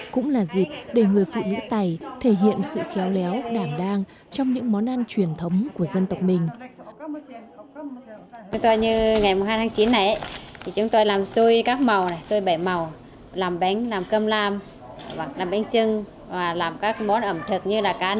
cũng là dịp để người phụ nữ tày thể hiện sự khéo léo đảm đang trong những món ăn truyền thống của dân tộc mình